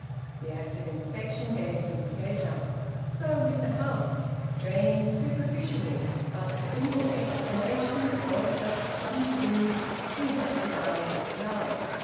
The act of inspection gave him pleasure. So with the house. Strange, superficially; but the simple explanation was that for some things he had the eyes of love...